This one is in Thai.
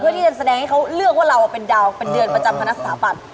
เพื่อที่จะแสดงให้เขาเลือกว่าเราเป็นดาวน์เป็นเดือนประจำพนักสถาบัติ